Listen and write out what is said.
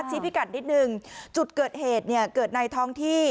พิกัดนิดนึงจุดเกิดเหตุเนี่ยเกิดในท้องที่